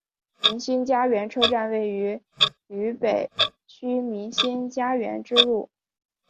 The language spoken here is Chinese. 民心佳园车站位于渝北区民心佳园支路。